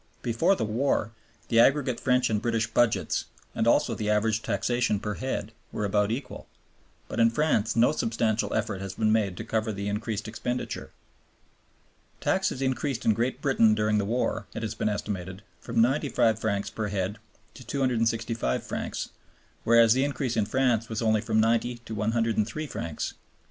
Before the war the aggregate French and British budgets, and also the average taxation per head, were about equal; but in France no substantial effort has been made to cover the increased expenditure. "Taxes increased in Great Britain during the war," it has been estimated, "from 95 francs per head to 265 francs, whereas the increase in France was only from 90 to 103 francs."